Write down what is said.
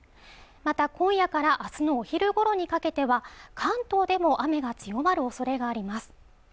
また今夜からあすのお昼ごろにかけては関東でも雨が強まる恐れがあります